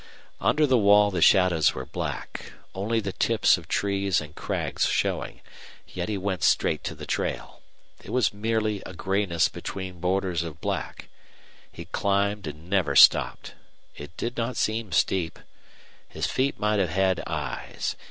Under the wall the shadows were black, only the tips of trees and crags showing, yet he went straight to the trail. It was merely a grayness between borders of black. He climbed and never stopped. It did not seem steep. His feet might have had eyes.